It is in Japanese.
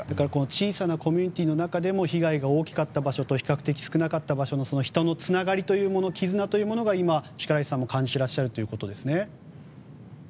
小さなコミュニティーの中でも、被害が大きかった場所と比較的少なかった場所のそのつながり絆というものを力石さんは感じているんですね。